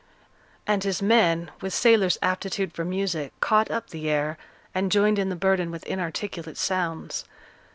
and his men, with sailors' aptitude for music, caught up the air, and joined in the burden with inarticulate sounds.